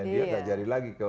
dia gak jadi lagi ke g dua puluh